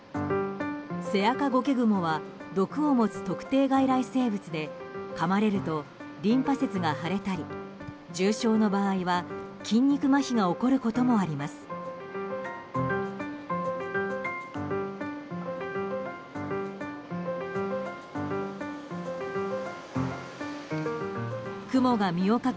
セアカゴケグモは毒を持つ特定外来生物でかまれるとリンパ節が腫れたり重症の場合は筋肉麻痺が起こることもあります。